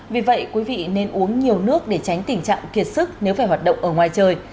vì vậy quý vị nên uống nhiều nước để tránh tình trạng kiệt sức nếu phải hoạt động ở ngoài trời